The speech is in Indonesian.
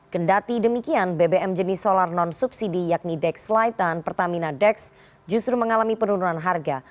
kendati demikian bbm jenis solar non subsidi yakni dexlight dan pertamina dex justru mengalami penurunan harga